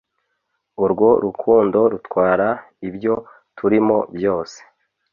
urwo rukundo rutwara ibyo turimo byose